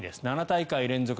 ７大会連続